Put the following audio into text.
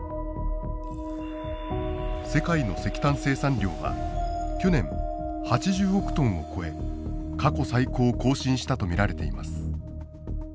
世界の石炭生産量は去年８０億トンを超え過去最高を更新したと見られています。